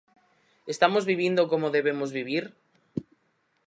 Estamos vivindo como debemos vivir?